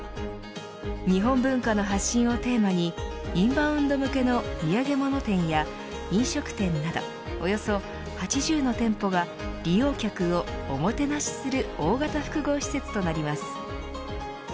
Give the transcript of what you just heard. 日本文化の発信をテーマにインバウンド向けの土産物店や飲食店などおよそ８０の店舗が利用客をおもてなしする大型複合施設となります。